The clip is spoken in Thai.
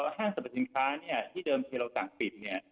ห้างสรรพสินค้าเนี่ยที่เดิมที่เราสั่งปิดเนี่ย